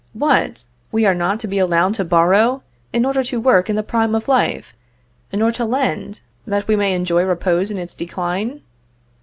What! we are not to be allowed to borrow, in order to work in the prime of life, nor to lend, that we may enjoy repose in its decline?